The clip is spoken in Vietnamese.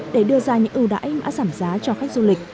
để đưa ra những ưu đãi mã giảm giá cho khách du lịch